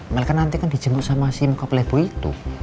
mel kan nanti kan dijemput sama si muka pelebo itu